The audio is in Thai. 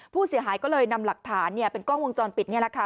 ผู้เสียหายก็เลยนำหลักฐานเป็นกล้องวงจรปิดนี่แหละค่ะ